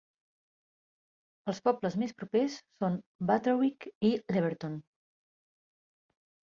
Els pobles més propers són Butterwick i Leverton.